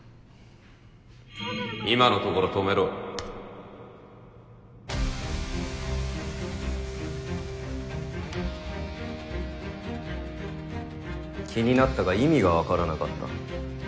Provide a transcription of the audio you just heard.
今のところ止めろ気になったが意味が分からなかった。